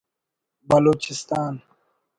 بلوچستان